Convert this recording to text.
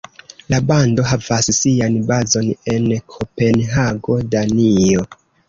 La bando havas sian bazon en Kopenhago, Danio.